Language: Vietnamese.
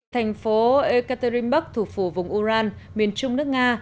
thành phố ekaterinburg thuộc phủ vùng uran miền trung nước nga